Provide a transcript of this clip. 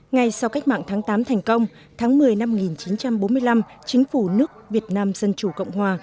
ngay sau cách mạng tháng tám thành công tháng một mươi năm một nghìn chín trăm bốn mươi năm chính phủ nước việt nam dân chủ cộng hòa